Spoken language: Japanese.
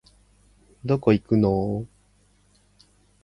どこ行くのお